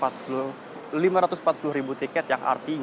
yang artinya lebih dari setengah tiket yang sudah disiapkan